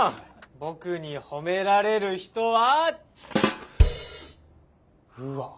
僕に褒められる人はうわ。